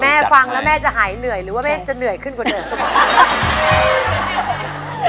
ฟังแล้วแม่จะหายเหนื่อยหรือว่าแม่จะเหนื่อยขึ้นกว่าเดิม